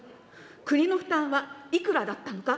国の負担はいくらだったのか。